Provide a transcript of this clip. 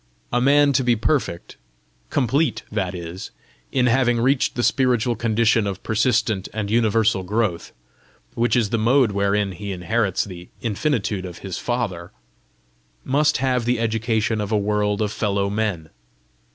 A man to be perfect complete, that is, in having reached the spiritual condition of persistent and universal growth, which is the mode wherein he inherits the infinitude of his Father must have the education of a world of fellow men.